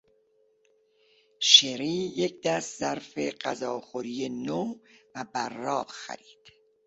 شری یک دست ظرف غذاخوری نو و براق خرید.